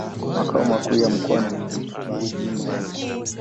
Makao makuu ya mkoa ni Mbuji-Mayi.